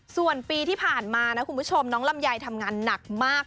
ส่วนปีที่ผ่านมานะคุณผู้ชมน้องลำไยทำงานหนักมาก